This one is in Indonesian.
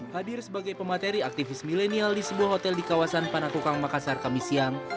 hadir sebagai pemateri aktivis milenial di sebuah hotel di kawasan panakukang makassar kami siang